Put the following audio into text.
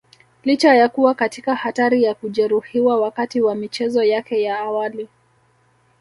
Licha ya kuwa katika hatari ya kujeruhiwa wakati wa michezo yake ya awali